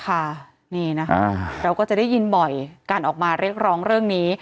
นี่นะคะเราก็จะได้ยินบ่อยการออกมาเรียกร้องเรื่องนี้